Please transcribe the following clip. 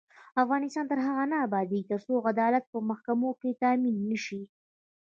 افغانستان تر هغو نه ابادیږي، ترڅو عدالت په محکمو کې تامین نشي.